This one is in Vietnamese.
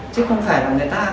chứ không phải là người ta